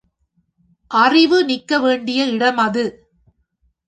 அறிவு நிற்க வேண்டிய இடம் அது.